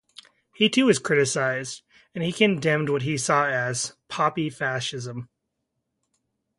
He too was criticized and he condemned what he saw as "poppy fascism".